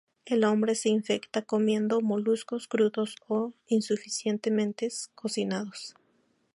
El hombre se infecta comiendo moluscos crudos o insuficientemente cocinados.